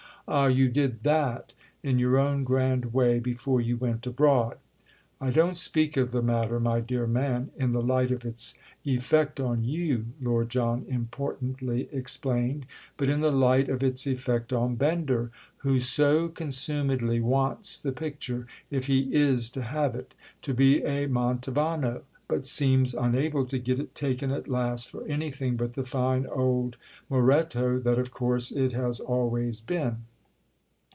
"Ah, you did that, in your own grand way, before you went abroad!" "I don't speak of the matter, my dear man, in the light of its effect on you," Lord John importantly explained—"but in the light of its effect on Bender; who so consumedly wants the picture, if he is to have it, to be a Mantovano, but seems unable to get it taken at last for anything but the fine old Moretto that of course it has always been."